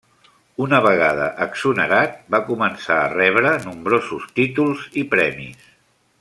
Una vegada exonerat, va començar a rebre nombrosos títols i premis.